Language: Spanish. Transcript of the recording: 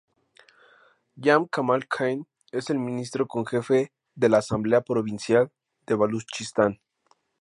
Jam Kamal Khan es el Ministro en Jefe de la Asamblea Provincial de Baluchistán.